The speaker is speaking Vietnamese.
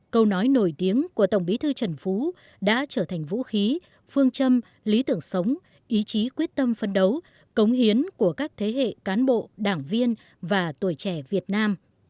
câu nói nổi tiếng của tổng bí thư trần phú đã trở thành vũ khí phương châm lý tưởng sống ý chí quyết tâm phân đấu cống hiến của các thế hệ cán bộ đảng viên và tuổi trẻ việt nam